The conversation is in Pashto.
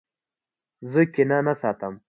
زه کینه نه ساتم.